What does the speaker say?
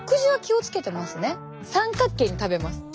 三角形に食べます。